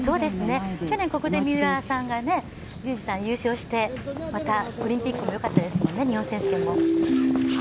去年、ここで三浦龍司さんが優勝してまた、オリンピックもよかったですもんね日本選手権も。